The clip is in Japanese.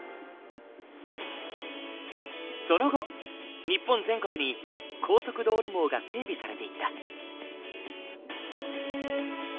その後日本全国に高速道路網が整備されていった。